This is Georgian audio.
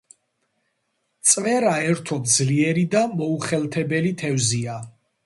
წვერა ერთობ ძლიერი და მოუხელთებელი თევზია.